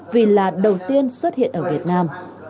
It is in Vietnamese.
vì là đầu tiên xuất hiện ở việt nam